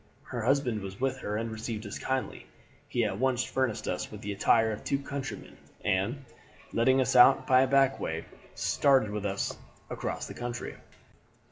Her husband was with her and received us kindly. He at once furnished us with the attire of two countrymen, and, letting us out by a back way, started with us across the country.